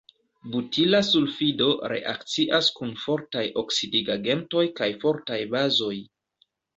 Butila sulfido reakcias kun fortaj oksidigagentoj kaj fortaj bazoj.